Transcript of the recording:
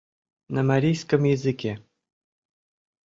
На марийском языке